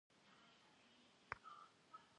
Them fıç'elhiğepseu.